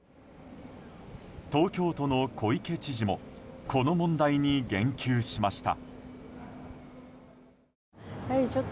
東京都の小池知事もこの問題に言及しました。